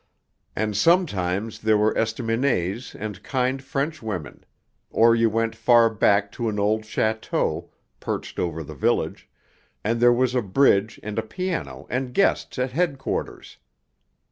And sometimes there were estaminets and kind French women; or you went far back to an old château, perched over the village, and there was bridge and a piano and guests at Headquarters.